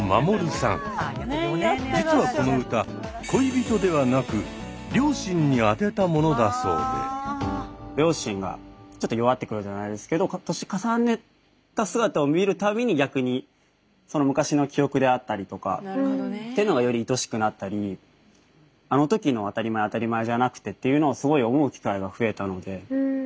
実はこの歌恋人ではなく両親がちょっと弱ってくるじゃないですけど年を重ねた姿を見るたびに逆に昔の記憶であったりとかっていうのがよりいとおしくなったりあの時の当たり前は当たり前じゃなくてっていうのをすごい思う機会が増えたので。